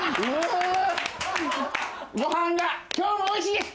ごはんが今日もおいしいです！